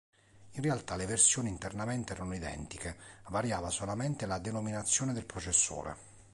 In realtà le versioni internamente erano identiche, variava solamente la denominazione del processore.